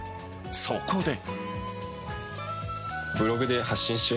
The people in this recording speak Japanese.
そこで。